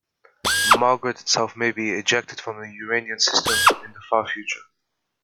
Margaret itself may be ejected from the Uranian system in the far future.